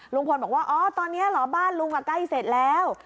ลุงพลบอกว่าอ๋อตอนนี้เหรอบ้านลุงใกล้เสร็จแล้ว